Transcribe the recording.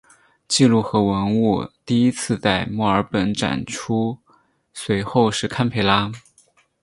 记录和文物第一次在墨尔本展出随后是堪培拉。